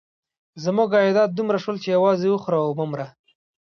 زموږ عایدات دومره شول چې یوازې وخوره او مه مره.